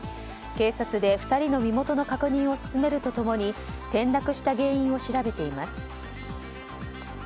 警察で２人の身元の確認を進めると共に転落した原因を調べています。